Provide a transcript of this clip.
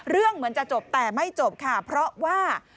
เหมือนจะจบแต่ไม่จบค่ะเพราะว่า